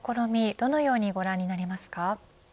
どのようにご覧になりますか。